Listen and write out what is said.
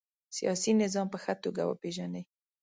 سیاسي نظام په ښه توګه وپيژنئ.